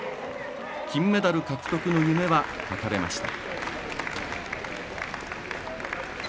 金メダル獲得の夢は絶たれました。